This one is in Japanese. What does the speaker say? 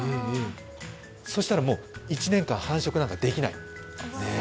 そしたらもう、１年間、繁殖なんかできない。